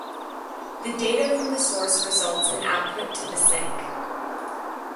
the data from the source results in output to the sink